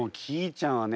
ちゃんはね